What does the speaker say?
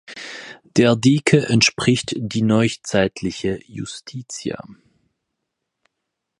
Der Dike entspricht die neuzeitliche Justitia.